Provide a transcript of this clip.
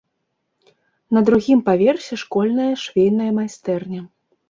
На другім паверсе школьная швейная майстэрня.